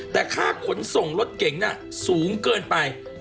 แต่ค่าขนส่งรถเก่งน่ะสูงเกินไป